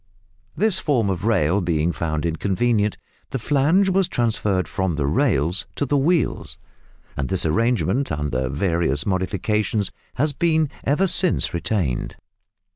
This form of rail being found inconvenient, the flange was transferred from the rails to the wheels, and this arrangement, under various modifications has been ever since retained.